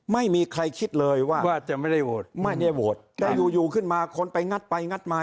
ไม่มีใครคิดเลยว่าจะไม่ได้โหวตไม่ได้โหวตแต่อยู่อยู่ขึ้นมาคนไปงัดไปงัดมา